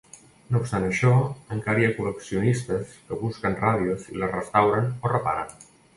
No obstant això, encara hi ha col·leccionistes que busquen ràdios i les restauren o reparen.